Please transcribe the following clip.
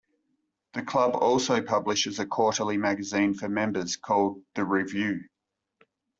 The club also publishes a quarterly magazine for members called "The Review".